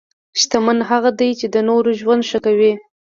شتمن هغه دی چې د نورو ژوند ښه کوي.